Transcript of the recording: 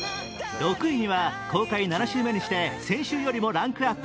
６位には公開７週目にして先週よりもランクアップ。